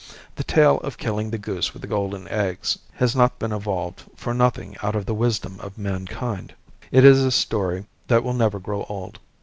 The tale of killing the goose with the golden eggs has not been evolved for nothing out of the wisdom of mankind. It is a story that will never grow old.